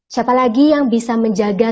siapa lagi yang bisa menjaga